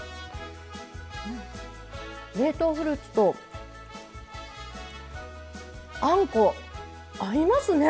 冷凍フルーツとあんこ合いますね！